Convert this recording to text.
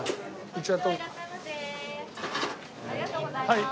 はい。